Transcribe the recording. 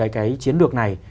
cái chiến lược này